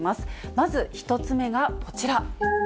まず１つ目がこちら。